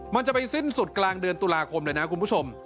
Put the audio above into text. มันจะไปสิ้นสุดกลางเดือนตุลาคมเลยนะคุณผู้ชม